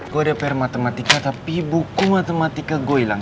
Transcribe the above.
gue udah pr matematika tapi buku matematika gue ilang